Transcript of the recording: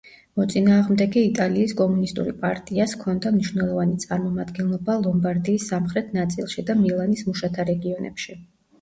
მოწინააღმდეგე იტალიის კომუნისტური პარტიას ჰქონდა მნიშვნელოვანი წარმომადგენლობა ლომბარდიის სამხრეთ ნაწილში და მილანის მუშათა რეგიონებში.